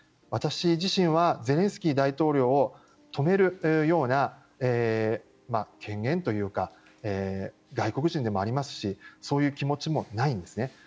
私自身はゼレンスキー大統領を止めるような権限というか外国人でもありますしそういう気持ちもないんですね。